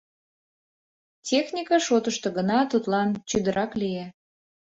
Техника шотышто гына тудлан чӱдырак лие.